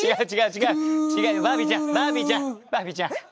違う？